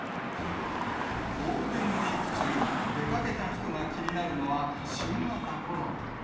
ゴールデンウィーク中、出かけた人が気になるのは、新型コロナ。